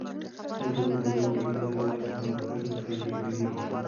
د ښځو ګډون ټولنیز عدالت او پرمختګ ګړندی کوي.